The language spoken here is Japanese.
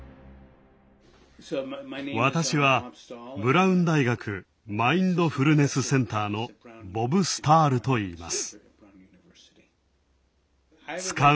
私はブラウン大学マインドフルネスセンターのボブ・スタールといいます。